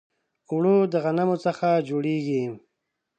اوړه د غنمو څخه جوړیږي